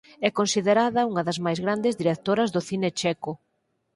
É considerada unha das máis grandes directoras do cine checo.